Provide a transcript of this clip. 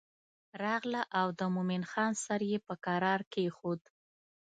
راغله او د مومن خان سر یې په کرار کېښود.